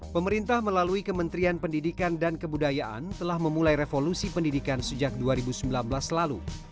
pemerintah melalui kementerian pendidikan dan kebudayaan telah memulai revolusi pendidikan sejak dua ribu sembilan belas lalu